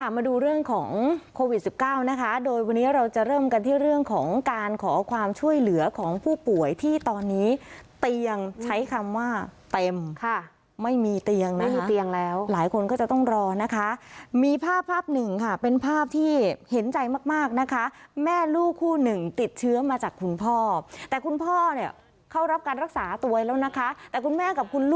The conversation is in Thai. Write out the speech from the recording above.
มาดูเรื่องของโควิด๑๙นะคะโดยวันนี้เราจะเริ่มกันที่เรื่องของการขอความช่วยเหลือของผู้ป่วยที่ตอนนี้เตียงใช้คำว่าเต็มค่ะไม่มีเตียงนะมีเตียงแล้วหลายคนก็จะต้องรอนะคะมีภาพภาพหนึ่งค่ะเป็นภาพที่เห็นใจมากมากนะคะแม่ลูกคู่หนึ่งติดเชื้อมาจากคุณพ่อแต่คุณพ่อเนี่ยเข้ารับการรักษาตัวแล้วนะคะแต่คุณแม่กับคุณล